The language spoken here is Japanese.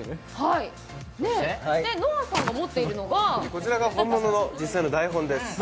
こちらが本物の実際の台本です。